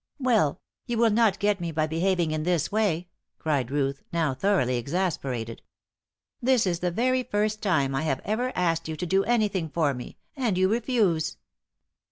"Well, you will not get me by behaving in this way!" cried Ruth, now thoroughly exasperated. "This is the very first time I have ever asked you to do anything for me, and you refuse!"